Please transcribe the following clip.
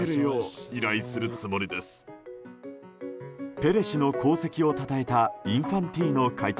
ペレ氏の功績をたたえたインファンティーノ会長。